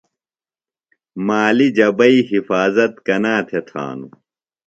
مالی جبئی حِفاظت کنا تھےۡ تھانوۡ ؟